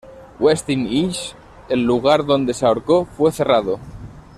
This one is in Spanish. Westin Hills, el lugar donde se ahorcó, fue cerrado.